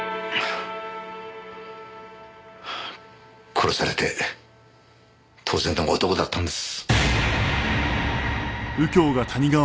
殺されて当然の男だったんです。